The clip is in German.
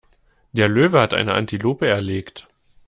Der Löwe hat eine Antilope erlegt.